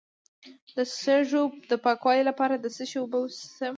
د سږو د پاکوالي لپاره د څه شي اوبه وڅښم؟